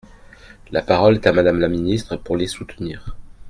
La parole est à Madame la ministre, pour les soutenir.